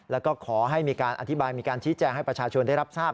แล้วก็ขอให้มีการอธิบายมีการชี้แจงให้ประชาชนได้รับทราบ